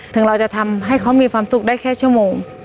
ถึงเราจะทำให้เขามีความสุขได้แค่ชั่วโมง